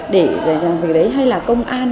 để làm việc đấy hay là công an